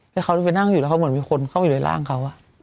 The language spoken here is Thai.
แล้วเขาจะไปนั่งอยู่แล้วเขาเหมือนมีคนเข้ามาอยู่ในร่างเขา